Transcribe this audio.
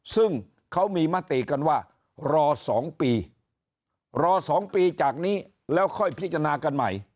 ซึ่งเขามีมติกันว่ารอ๒ปีรอ๒ปีจากนี้แล้วค่อยพิจารณากันใหม่